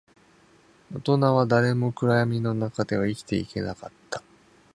大人は誰も暗闇の中では生きていけなかった